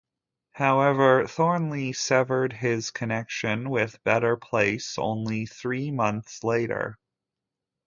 However Thornley severed his connection with Better Place only three months later.